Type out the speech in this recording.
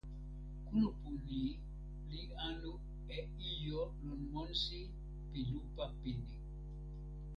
kulupu ni li anu e ijo lon monsi pi lupa pini.